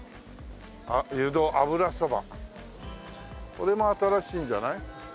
これも新しいんじゃない？